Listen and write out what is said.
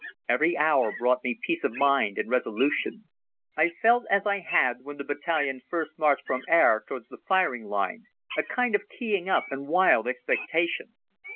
Every hour brought me peace of mind and resolution. I felt as I had felt when the battalion first marched from Aire towards the firing line, a kind of keying up and wild expectation.